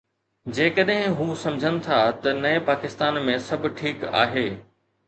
جيڪڏهن هو سمجهن ٿا ته نئين پاڪستان ۾ سڀ ٺيڪ آهي.